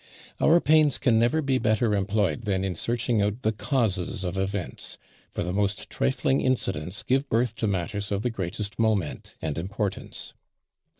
Our pains can never be better employed than in searching out the causes of events; for the most trifling incidents give birth to matters of the greatest moment and importance."